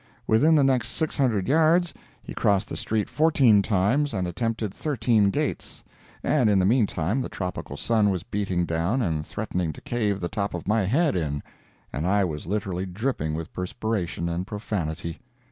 Within the next six hundred yards he crossed the street fourteen times and attempted thirteen gates, and in the meantime the tropical sun was beating down and threatening to cave the top of my head in, and I was literally dripping with perspiration and profanity.